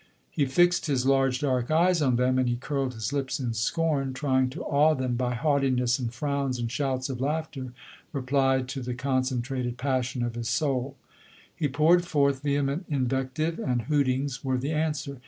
He fixed his large dark eyes on them, and he curled his lips in scorn, trying to awe e 2 76 LODORE. them by haughtiness and frowns, and shouts of laughter replied to the concentrated passion of his soul. He poured forth vehement invec tive, and hootings were the answer.